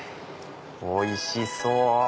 おいしそう！